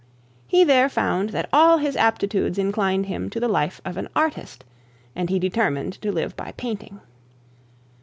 He there found that all his aptitudes inclined him to the life of an artist, and he determined to live by painting.